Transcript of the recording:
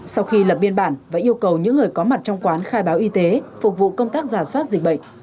sau khi lập biên bản và yêu cầu những người có mặt trong quán khai báo y tế phục vụ công tác giả soát dịch bệnh